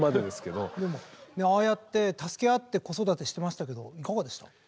でもああやって助け合って子育てしてましたけどいかがでした？